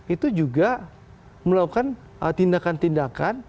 itu juga melakukan tindakan tindakan